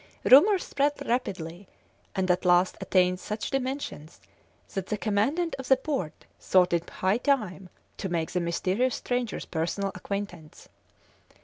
Rumours spread rapidly, and at last attained such dimensions that the commandant of the port thought it high time to make the mysterious stranger's personal acquaintance.